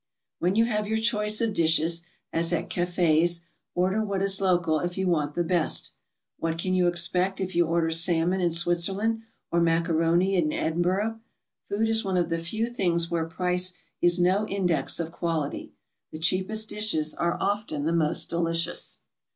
When you have your choice of dishes, as at cafes, order what is local if you want the best. What can you expect if you order salmon in Switzerland or macaroni in Edinboro? Food is one of the few things where price is no index of quality. The Cheapest dishes are often the most delicious.